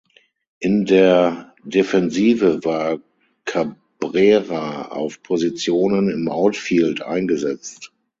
In der Defensive war Cabrera auf Positionen im Outfield eingesetzt.